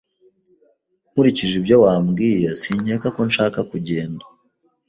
Nkurikije ibyo wambwiye, sinkeka ko nshaka kugenda.